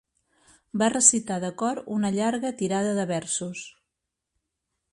Va recitar de cor una llarga tirada de versos.